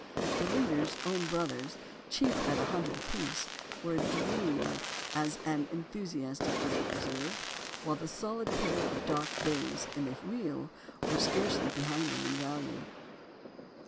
The leaders—own brothers—cheap at a hundred apiece, were a "dream," as an enthusiastic girl observed, while the solid pair of dark bays in the wheel were scarcely behind them in value.